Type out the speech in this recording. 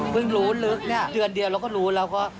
รู้ลึกเนี่ยเดือนเดียวเราก็รู้แล้วก็